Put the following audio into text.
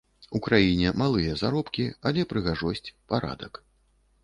У краіне малыя заробкі, але прыгажосць, парадак.